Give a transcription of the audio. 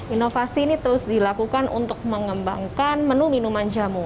inovasi ini terus dilakukan untuk mengembangkan menu minuman jamu